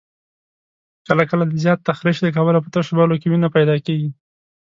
کله کله د زیات تخریش له کبله په تشو بولو کې وینه پیدا کېږي.